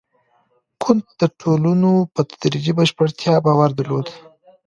کنت د ټولنو په تدریجي بشپړتیا باور درلود.